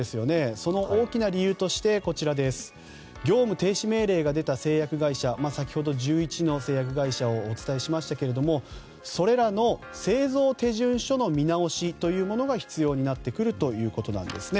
その大きな理由として業務停止命令が出た製薬会社先ほど１１の製薬会社をお伝えしましたがそれらの製造手順書の見直しというものが必要になってくるということです。